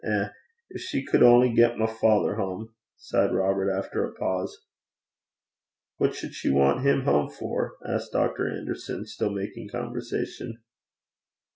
Eh! gin she could only get my father hame!' sighed Robert, after a pause. 'What should she want him home for?' asked Dr. Anderson, still making conversation.